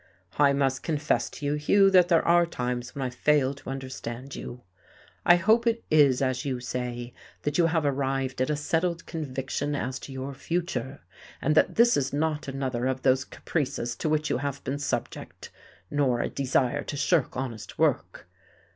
"I must confess to you, Hugh, that there are times when I fail to understand you. I hope it is as you say, that you have arrived at a settled conviction as to your future, and that this is not another of those caprices to which you have been subject, nor a desire to shirk honest work.